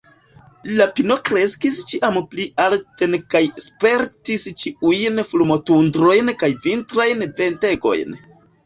La pino kreskis ĉiam pli alten kaj spertis ĉiujn fulmotondrojn kaj vintrajn ventegojn.